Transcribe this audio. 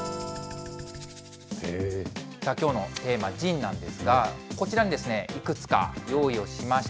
きょうのテーマ、ＺＩＮＥなんですが、こちらにいくつか用意をしました。